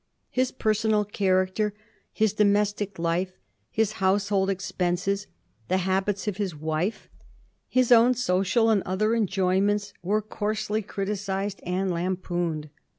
His personal character, his domestic life, his household expenses, the habits of his wife, his own social and other enjoyments, were coarsely criticised and lampooned.